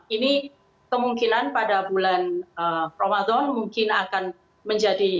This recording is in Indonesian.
ini kemungkinan pada bulan ramadan mungkin akan menjadi